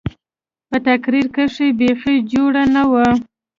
په تقرير کښې يې بيخي جوړه نه وه.